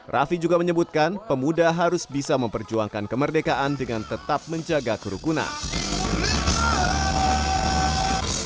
raffi juga menyebutkan pemuda harus bisa memperjuangkan kemerdekaan dengan tetap menjaga kerukunan